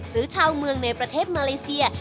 หรือชาวเมืองในประเทศมาเลเซีย